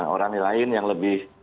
orang lain yang lebih